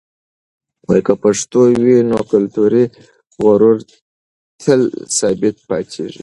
که پښتو وي، نو کلتوري غرور تل ثابت پاتېږي.